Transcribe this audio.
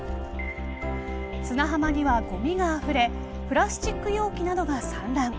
砂浜には、ごみがあふれプラスチック容器などが散乱。